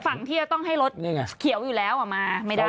ฝั่งที่ต้องให้รถเขียวอยู่แล้วอ่ะมาไม่ได้